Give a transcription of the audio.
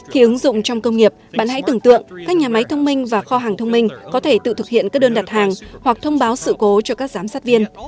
khi ứng dụng trong công nghiệp bạn hãy tưởng tượng các nhà máy thông minh và kho hàng thông minh có thể tự thực hiện các đơn đặt hàng hoặc thông báo sự cố cho các giám sát viên